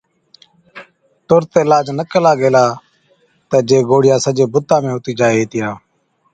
تُرت علاج نہ ڪلا گيلا تہ جي گوڙهِيا سجي بُتا هُتِي جائي هِتِيا